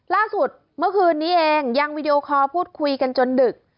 ล่าสุดเมื่อคืนนี้เองยังวีดีโอคอลพูดคุยกันจนดึก